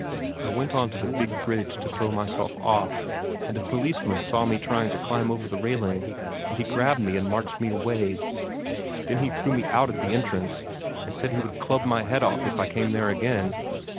I went on to the big bridge to throw myself off, and a policeman saw me trying to climb over the railing, and he grabbed me and marched me away. Then he threw me out at the entrance, and said he would club my head off if I came there again.